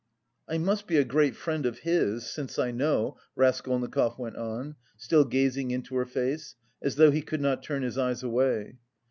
"I must be a great friend of his... since I know," Raskolnikov went on, still gazing into her face, as though he could not turn his eyes away.